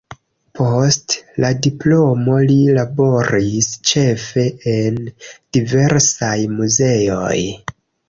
Post la diplomo li laboris ĉefe en diversaj muzeoj.